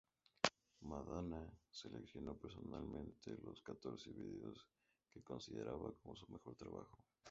Madonna seleccionó personalmente los catorce vídeos que consideraba como su mejor trabajo.